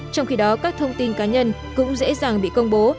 trong khi đó các thông tin cá nhân cũng dễ dàng bị công bố